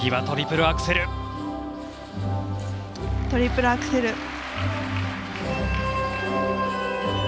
トリプルアクセル。